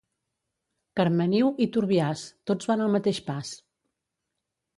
Carmeniu i Turbiàs, tots van al mateix pas.